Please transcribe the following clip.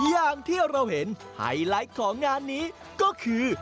อย่างที่เราเห็นไฮไลท์ของงานนี้ก็คือ